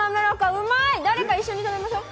うまい、誰か一緒に食べましょう。